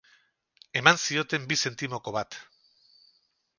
Eman zioten bi zentimoko bat.